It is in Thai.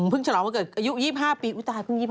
ฉลองวันเกิดอายุ๒๕ปีอุ๊ตายเพิ่ง๒๕